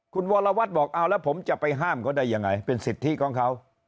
คุณวรวัตรบอกเอาแล้วผมจะไปห้ามเขาได้ยังไงเป็นสิทธิของเขา